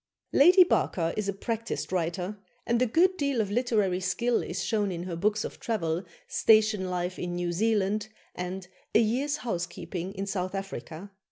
" Lady Barker is a practised writer, and a good deal of literary skill is shown in her books of travel, "Station Life in New Zealand" and "A Year's Housekeeping in South Africa."